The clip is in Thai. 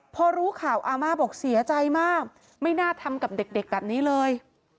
พอรู้ข่าวอาม่าบอกเสียใจมากไม่น่าทำกับเด็กแบบนี้เลย